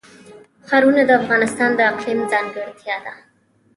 ښارونه د افغانستان د اقلیم ځانګړتیا ده.